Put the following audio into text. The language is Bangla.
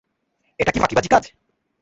এটা কি ফাঁকিবাজি কাজ?